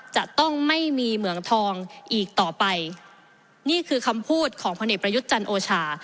จะต้องไม่มีเหมืองทองอีกต่อไปนี่คือคำพูดของพลเอกประยุทธ์จันทร์โอชา